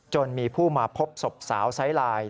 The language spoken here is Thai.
จนมีผู้มาพบศพสาวไซลาย